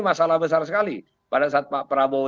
masalah besar sekali pada saat pak prabowo